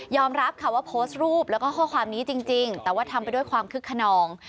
รับค่ะว่าโพสต์รูปแล้วก็ข้อความนี้จริงแต่ว่าทำไปด้วยความคึกขนอง